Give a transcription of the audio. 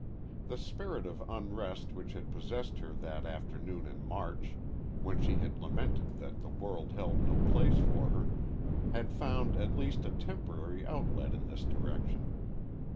The spirit of unrest which had possessed her that afternoon in March, when she had lamented that the world held no place for her, had found at least a temporary outlet in this direction.